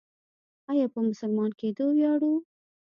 آیا په مسلمان کیدو ویاړو؟